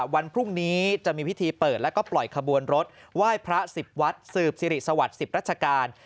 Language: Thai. วันพรุ่งนี้จะมีพิธีเปิดแล้วก็ปล่อยขบวนรถไหว้พระ๑๐วัดสืบสิริสวัสดิ์๑๐ราชการ